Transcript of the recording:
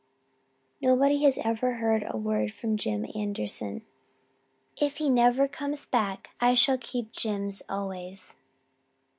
Nobody has ever heard a word from Jim Anderson. If he never comes back I shall keep Jims always.